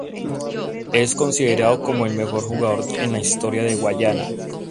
Es considerado como el mejor jugador en la historia de Guyana.